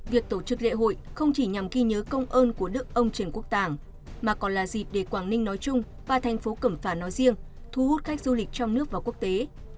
việc tổ chức lễ hội không chỉ nhằm ghi nhớ công ơn của đức ông trần quốc tàng mà còn là dịp để quảng ninh nói chung và thành phố cẩm phả nói riêng thu hút khách du lịch trong nước và quốc tế